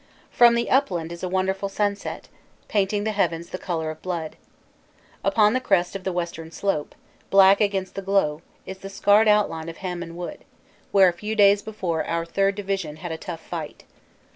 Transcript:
From the upland is a wonderful sunset, painting the heav ens the color of blood. Upon the crest of the western slope, black against the glow, is the scarred outline of Hamon wood, where a few days before our Third Division had a tough fight.